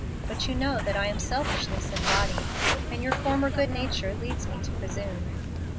But you know that I am selfishness embodied, and your former good nature leads me to presume."